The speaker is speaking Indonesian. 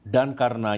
dan karena ini